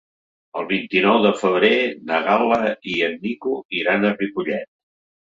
El vint-i-nou de febrer na Gal·la i en Nico iran a Ripollet.